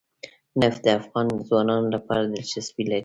نفت د افغان ځوانانو لپاره دلچسپي لري.